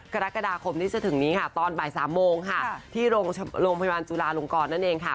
กรกฎาคมที่จะถึงนี้ค่ะตอนบ่าย๓โมงค่ะที่โรงพยาบาลจุลาลงกรนั่นเองค่ะ